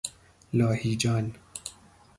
لاهیجان